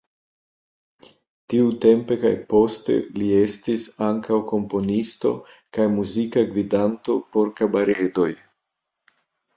Tiutempe kaj poste li estis ankaŭ komponisto kaj muzika gvidanto por kabaredoj.